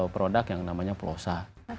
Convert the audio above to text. produk yang namanya plosa